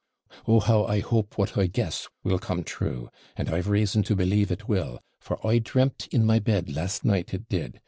Oh! how I hope what I guess will come true, and I've rason to believe it will, for I dreamt in my bed last night it did.